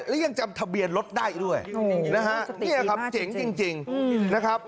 และยังจำทะเบียนรถได้ด้วยนะฮะเนี่ยครับเจ๋งจริงนะครับ